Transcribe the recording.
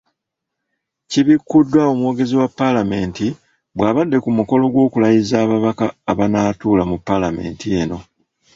Kibikuddwa omwogezi wa Paalamenti bw’abadde ku mukolo gw’okulayiza ababaka abanaatuula mu Paalamenti eno.